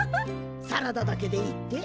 サラダだけでいいって？